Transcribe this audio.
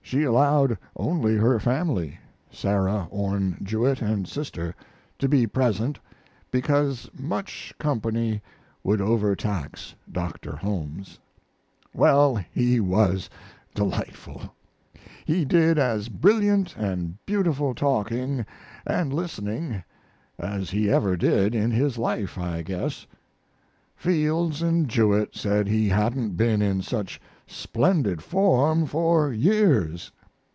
She allowed only her family (Sarah Orne Jewett & sister) to be present, because much company would overtax Dr. Holmes. Well, he was just delightful! He did as brilliant and beautiful talking (& listening) as he ever did in his life, I guess. Fields and Jewett said he hadn't been in such splendid form for years.